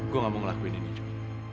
gue nggak mau ngelakuin ini jok